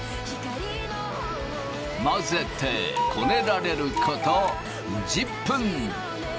混ぜてこねられること１０分。